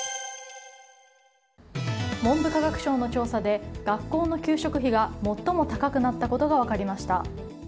文部科学省の調査で学校の給食費が最も高くなったことが分かりました。